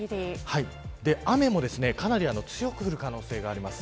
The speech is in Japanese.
雨もかなり強く降る可能性があります。